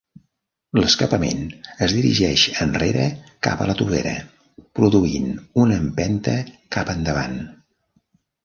L'escapament es dirigeix enrere cap a la tovera, produint una empenta cap endavant.